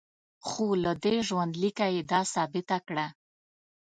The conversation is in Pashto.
خو له دې ژوندلیکه یې دا ثابته کړه.